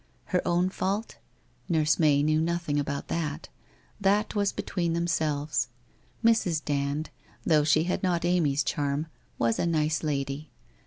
Her own fault? Nurse May knew nothing about that. That was between themselves. Mrs. Dand, though she had not Amy's charm, was a nice lady.